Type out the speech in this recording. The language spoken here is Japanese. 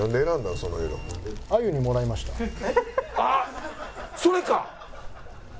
あっそれか！